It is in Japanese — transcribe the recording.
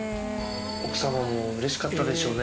奥様も嬉しかったでしょうね。